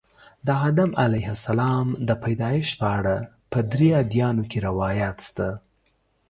د آدم علیه السلام د پیدایښت په اړه په درې ادیانو کې روایات شته.